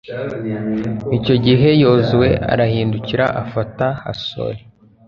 icyo gihe, yozuwe arahindukira afata hasori